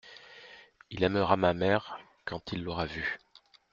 Il aimera ma mère quand il l’aura vue.